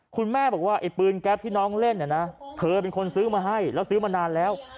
คุณแม่บอกว่าไอ้ปืนแก๊ปที่น้องเล่นเนี่ยนะเธอเป็นคนซื้อมาให้แล้วซื้อมานานแล้ว